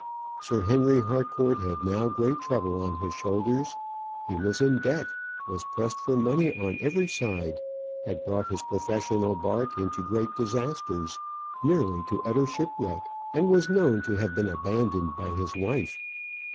Sir Henry Harcourt had now great trouble on his shoulders: he was in debt, was pressed for money on every side, had brought his professional bark into great disasters nearly to utter shipwreck and was known to have been abandoned by his wife.